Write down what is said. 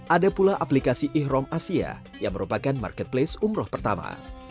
ada pula aplikasi ikhrom asia yang merupakan marketplace umroh pertama